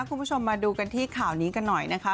คุณผู้ชมมาดูกันที่ข่าวนี้กันหน่อยนะคะ